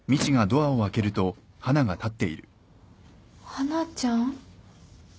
華ちゃん？